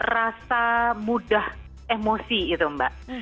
rasa mudah emosi gitu mbak